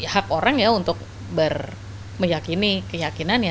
hak orang ya untuk meyakini keyakinannya